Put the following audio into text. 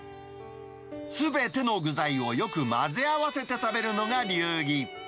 すべての具材をよく混ぜ合わせて食べるのが流儀。